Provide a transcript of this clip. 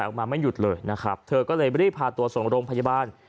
ออกมาไม่หยุดเลยนะครับเธอก็เลยรีบพาตัวส่งโรงพยาบาล